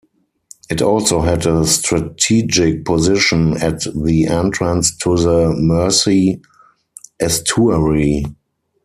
It also had a strategic position at the entrance to the Mersey Estuary.